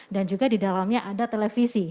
dan juga di dalamnya ada televisi